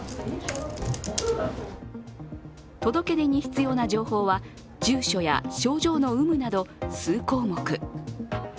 届け出に必要な情報は、住所や症状の有無など、数項目。